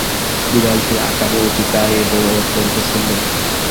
বিড়ালটি আকারে অতিকায় এবং অত্যন্ত সুন্দর।